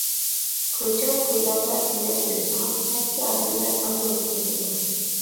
كوچا-كويلاردا تېنەپ يۈرسىڭىز ئەسكى ئادەملەر ئازدۇرۇپ كېتىدۇ.